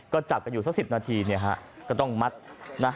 ก็จับกันอยู่สัก๑๐นาทีก็ต้องมัดนะ